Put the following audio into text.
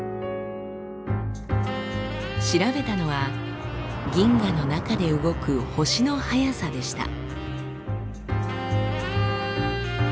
調べたのは銀河の中で動く星の速さでした。